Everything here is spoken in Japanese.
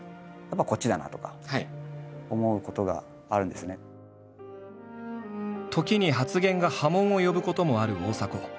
でもそれって何か時に発言が波紋を呼ぶこともある大迫。